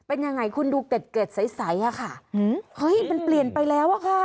เป็นยังไงคุณดูเกร็ดใสอะค่ะเฮ้ยมันเปลี่ยนไปแล้วอะค่ะ